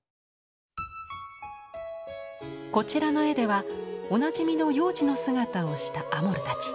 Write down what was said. こちらの絵ではおなじみの幼児の姿をしたアモルたち。